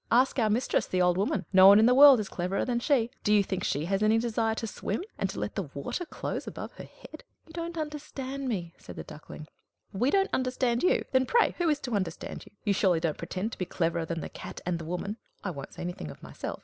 Ask our mistress, the old woman; no one in the world is cleverer than she. Do you think she has any desire to swim, and to let the water close above her head?" "You don't understand me," said the Duckling. "We don't understand you? Then pray who is to understand you? You surely don't pretend to be cleverer than the Cat and the woman I won't say anything of myself.